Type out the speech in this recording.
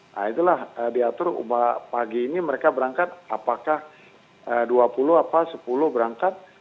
nah itulah diatur pagi ini mereka berangkat apakah dua puluh apa sepuluh berangkat